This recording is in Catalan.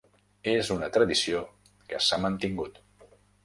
És una tradició que s'ha mantingut.